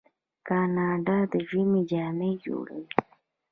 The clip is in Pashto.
کاناډا د ژمي جامې جوړوي.